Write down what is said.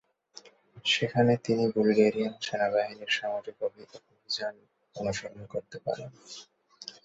সেখানে তিনি বুলগেরিয়ান সেনাবাহিনীর সামরিক অভিযান অনুসরণ করতে পারেন।